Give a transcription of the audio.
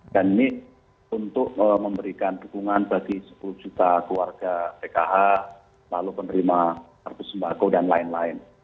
dan ini untuk memberikan dukungan bagi sepuluh juta keluarga pkh lalu penerima arpus sembako dan lain lain